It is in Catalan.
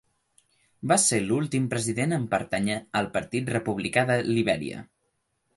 Va ser l'últim president en pertànyer al Partit Republicà de Libèria.